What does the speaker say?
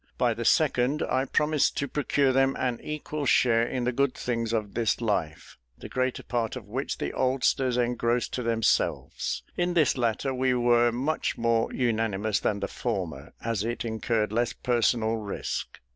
By the second, I promised to procure them an equal share in the good things of this life, the greater part of which the oldsters engrossed to themselves: in this latter we were much more unanimous than the former, as it incurred less personal risk.